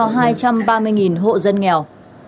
sau tám ngày không ghi nhận ca nhiễm